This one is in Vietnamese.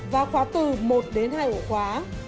và khóa từ một đến hai ổ khóa